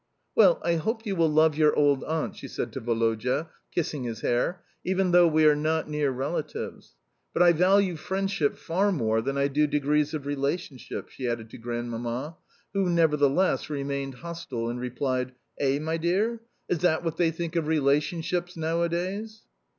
"Well, I hope you will love your old aunt," she said to Woloda, kissing his hair, "even though we are not near relatives. But I value friendship far more than I do degrees of relationship," she added to Grandmamma, who nevertheless, remained hostile, and replied: "Eh, my dear? Is that what they think of relationships nowadays?"